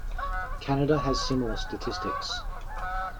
Canada has similar statistics.